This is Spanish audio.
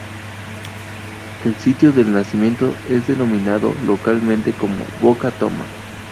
El sitio del nacimiento es denominado localmente como Boca Toma.